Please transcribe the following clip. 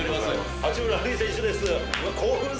八村塁選手です。